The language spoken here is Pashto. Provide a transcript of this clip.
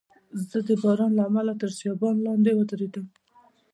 زه د باران له امله تر سایبان لاندي ودریدم.